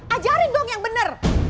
ajarin dong yang bener